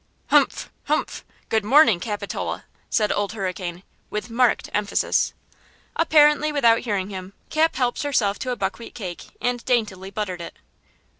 "Humph! Humph! Good morning, Capitola!" said Old Hurricane, with marked emphasis. Apparently without hearing him, Cap helped herself to a buckwheat cake and daintily buttered it.